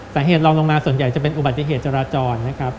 ลองลงมาส่วนใหญ่จะเป็นอุบัติเหตุจราจรนะครับ